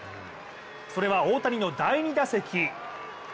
それは、大谷の第２打席。